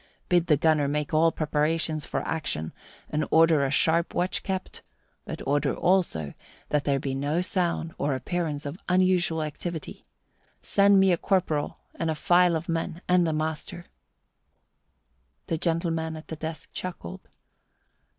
Bid the gunner make all preparations for action and order a sharp watch kept; but order also that there be no sound or appearance of unusual activity. Send me a corporal and a file of men, and the master." The gentleman at the desk chuckled.